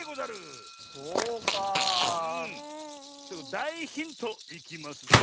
だいヒントいきますぞ。